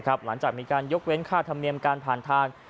หลังจากมีการยกเว้นค่าธรรมเนียมการผ่านทาง